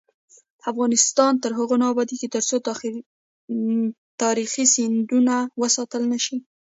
افغانستان تر هغو نه ابادیږي، ترڅو تاریخي سندونه وساتل نشي.